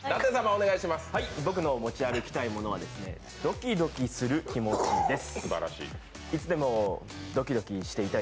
僕の持ち歩きたいものはドキドキする気持ちです。